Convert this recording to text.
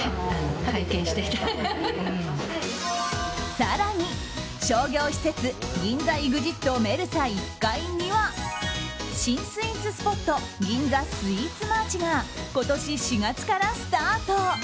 更に商業施設銀座イグジットメルサ１階には新スイーツスポットギンザスイーツマーチが今年４月からスタート。